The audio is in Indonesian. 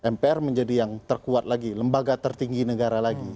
mpr menjadi yang terkuat lagi lembaga tertinggi negara lagi